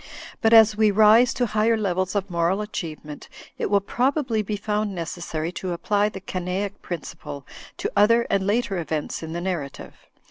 But as we rise to higher levels of moral achievement, it will probably be found necessary to apply the Canaic principle to other and later events in the narrative.